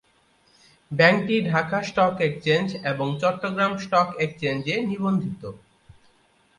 ব্যাংকটি Dhaka stock exchange এবং Chittagong stock exchange -এ নিবন্ধিত।